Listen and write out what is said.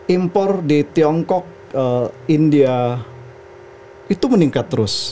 impor di tiongkok india itu meningkat terus